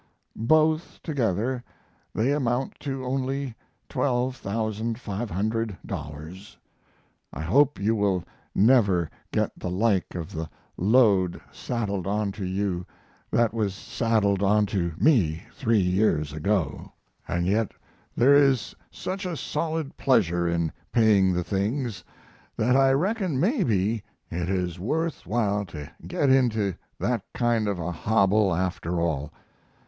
Both together they amount to only $12,500. I hope you will never get the like of the load saddled onto you that was saddled onto me 3 years ago. And yet there is such a solid pleasure in paying the things that I reckon maybe it is worth while to get into that kind of a hobble after all.